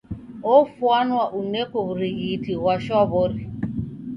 Ofwana uneko w'urighiti ghwa shwaw'ori.